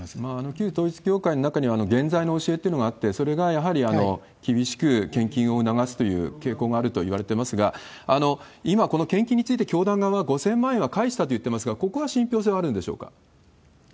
旧統一教会の中には、原罪の教えというのがあって、それがやはり厳しく献金を促すという傾向があるといわれていますが、今、この献金について教団側は５０００万円は返したといっていますが、ここは信ぴょう性はあるんでしょうか？